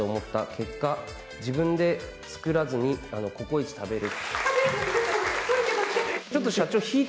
結果、自分で作らずにココイチ食べる。